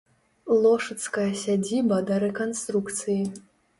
Лошыцкая сядзіба да рэканструкцыі.